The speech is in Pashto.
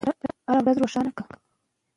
موږ په اروپا کې د بېکارۍ بیمه نه لرو.